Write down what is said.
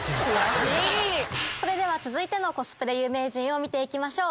それでは続いてのコスプレ有名人見て行きましょう。